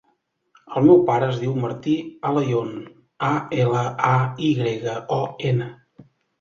El meu pare es diu Martí Alayon: a, ela, a, i grega, o, ena.